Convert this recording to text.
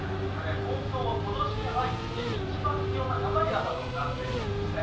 東京は今年に入って一番気温が高い朝となっているんです。